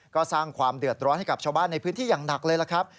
ก็สร้างความเดือดร้อนให้กับชาวบ้านในพื้นที่อย่างหนักเลยล่ะครับ